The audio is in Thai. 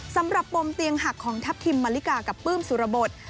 สำหรับปมเตียงหักของทัพทิมมันลิกากับปลื้มสุระบท